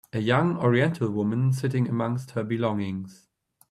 A young oriental woman sitting amongst her belongings.